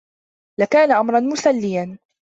لكان أمرا مسليا.